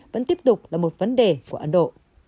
vẫn tiếp tục là một vấn đề của ấn độ